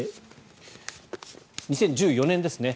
２０１４年ですね。